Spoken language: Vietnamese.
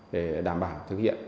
để đảm bảo thực hiện